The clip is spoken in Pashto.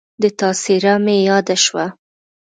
د تا څېره مې یاده شوه